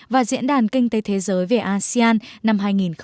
và diễn đàn kinh tế thế giới về asean năm hai nghìn một mươi tám